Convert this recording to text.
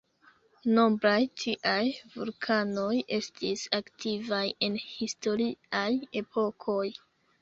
Nombraj tiaj vulkanoj estis aktivaj en historiaj epokoj.